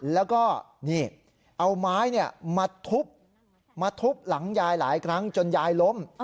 แล้วก็นี่เอาไม้มาทุบมาทุบหลังยายหลายครั้งจนยายล้ม